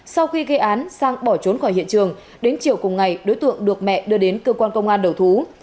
sau khi gây án sang bỏ trốn khỏi hiện trường đến chiều cùng ngày đối tượng được mẹ đưa đến cơ quan công an đầu thú